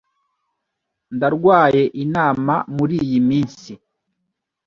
Ndarwaye inama muriyi minsi.